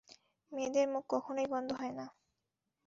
মেয়েদের মুখ কখনোই বন্ধ হয় না!